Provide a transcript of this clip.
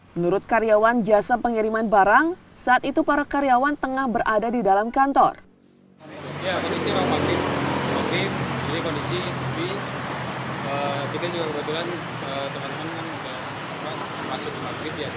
menurut karyawan jasa pengiriman barang ini terjadi di sebuah kantor jasa pengiriman barang di kampung sabandar jalan raya cianjur bandung